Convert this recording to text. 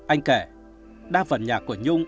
anh kể đa phần nhạc của nhung